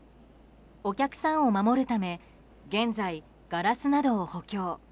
お客さんを守るため現在、ガラスなどを補強。